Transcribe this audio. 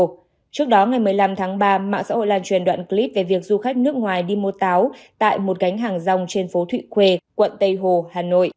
trước đó ngày một mươi năm tháng ba mạng xã hội lan truyền đoạn clip về việc du khách nước ngoài đi mua táo tại một gánh hàng rong trên phố thụy khuê quận tây hồ hà nội